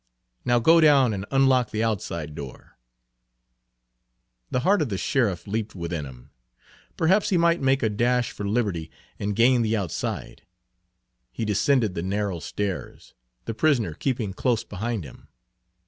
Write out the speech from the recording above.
"Now go down and unlock the outside door." Page 83 The heart of the sheriff leaped within him. Perhaps he might make a dash for liberty, and gain the outside. He descended the narrow stairs, the prisoner keeping close behind him.